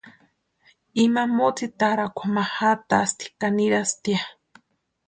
Ima mótsitarakwani ma jatasti ka nirastia.